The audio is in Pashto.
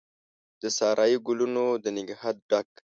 د سارایي ګلونو د نګهت ډک،